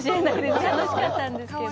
楽しかったんですけど。